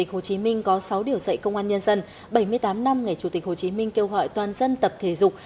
hồ chí minh có sáu điều dạy công an nhân dân bảy mươi tám năm ngày chủ tịch hồ chí minh kêu gọi toàn dân tập thể dục